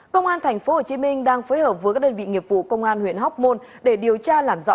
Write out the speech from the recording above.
công an tp hcm đang phối hợp với các đơn vị nghiệp vụ công an huyện hóc môn để điều tra làm rõ